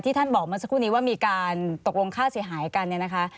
ท่านบอกเมื่อสักครู่นี้ว่ามีการตกลงค่าเสียหายกันเนี่ยนะคะ